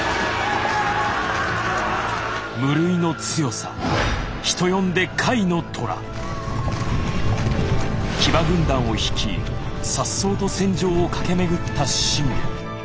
無類の強さ人呼んでを率いさっそうと戦場を駆け巡った信玄。